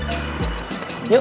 terima kasih bang